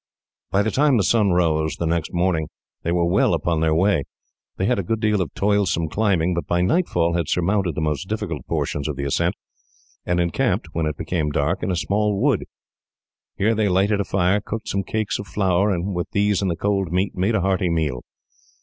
By the time the sun rose, the next morning, they were well upon their way. They had a good deal of toilsome climbing, but by nightfall had surmounted the most difficult portions of the ascent, and encamped, when it became dark, in a small wood. Here they lighted a fire, cooked some cakes of flour, and, with these and the cold meat, made a hearty meal.